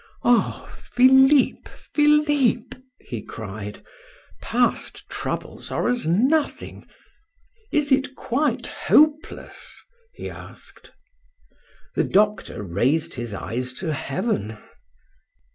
"Oh! Philip, Philip!" he cried, "past troubles are as nothing. Is it quite hopeless?" he asked. The doctor raised his eyes to heaven.